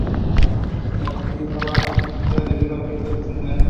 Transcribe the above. La estación estaba concurrida debido a las fiestas de fin de año.